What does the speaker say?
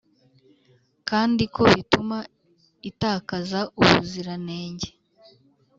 kandi ko bituma itakaza ubuziranenge.